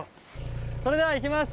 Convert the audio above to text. それではいきます！